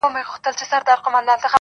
زما فال یې د حافظ په میخانه کي وو کتلی!!